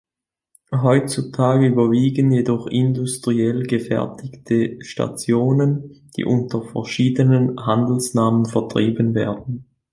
Heutzutage überwiegen jedoch industriell gefertigte Stationen, die unter verschiedenen Handelsnamen vertrieben werden.